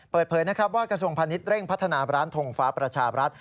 เปิดเผยว่ากระทรวงพันธ์นิดเร่งพัฒนาร้านทงฟ้าประชาบรัฐ